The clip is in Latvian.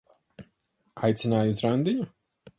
Aicināja uz randiņu?